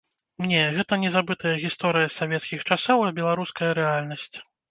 Не, гэта не забытая гісторыя з савецкіх часоў, а беларуская рэальнасць.